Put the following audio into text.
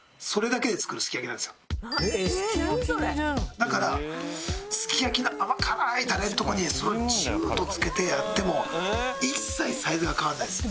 だからすき焼きの甘辛いタレのとこにジューッとつけてやっても一切サイズが変わらないんです。